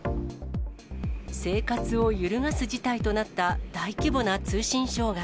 生活を揺るがす事態となった大規模な通信障害。